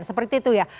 seperti itu ya